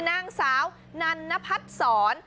นางสาวนันนพัฒน์ศร